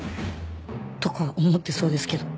とか思ってそうですけど